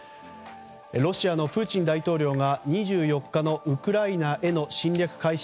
ロシアのプーチン大統領が２４日のウクライナへの侵略開始